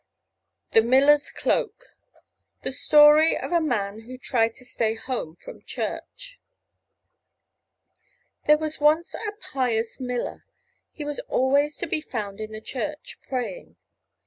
THE MILLER'S CLOAK The Story of a Man Who Tried to Stay Home from Church There was once a pious miller. He was always to be found in the church praying.